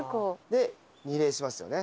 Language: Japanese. で二礼しますよね。